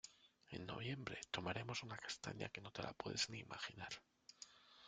En noviembre tomaremos una castaña que no te la puedes ni imaginar.